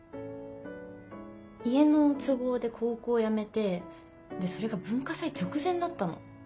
家の都合で高校辞めてでそれが文化祭直前だったの。